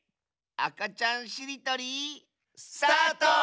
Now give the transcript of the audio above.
あかちゃんしりとり。スタート！